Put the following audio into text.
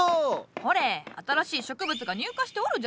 ほれ新しい植物が入荷しておるじゃろ？